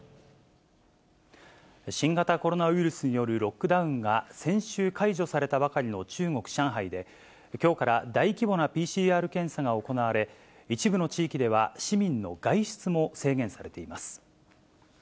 新型コロナウイルスによるロックダウンが先週解除されたばかりの中国・上海で、きょうから大規模なＰＣＲ検査が行われ、一部の地域では市民の外出も制限されています。